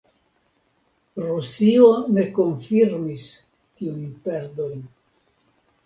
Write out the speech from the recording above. Rusio ne konfirmis tiujn perdojn.